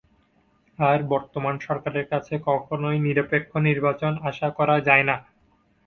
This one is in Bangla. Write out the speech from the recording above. আর বর্তমান সরকারের কাছে কখনোই নিরপেক্ষ নির্বাচন আশা করা যায় না।